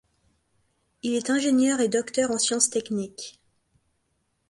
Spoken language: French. Il est ingénieur et docteur en sciences techniques.